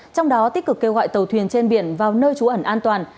trong đó tích cực kêu gọi tàu thuyền trên biển vào nơi trú ẩn an toàn